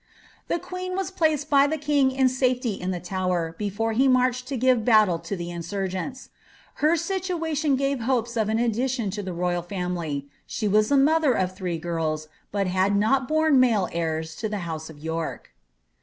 The queen was placed by the king in safety in the Tower,^ before he marched to give battle to the insurgents. Her ^situation gave hopes of an addition to the royal family ; she was the mother of three girls, but had not borne heirsHmale to the house of York.